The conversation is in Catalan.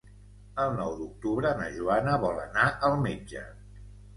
El nou d'octubre na Joana vol anar al metge.